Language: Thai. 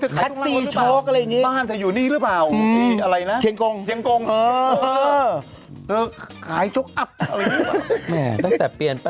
ถือขายช่วงล่างรถหรือเปล่าบ้านเธออยู่นี่หรือเปล่าอะไรนะช่วงล่างรถหรือเปล่าบ้านเธออยู่นี่หรือเปล่า